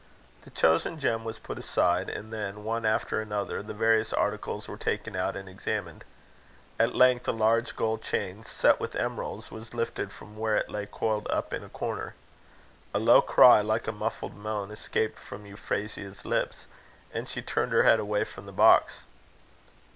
The chosen gem was put aside; and then, one after another, the various articles were taken out and examined. At length, a large gold chain, set with emeralds, was lifted from where it lay coiled up in a corner. A low cry, like a muffled moan, escaped from Euphrasia's lips, and she turned her head away from the box.